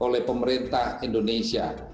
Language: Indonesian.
oleh pemerintah indonesia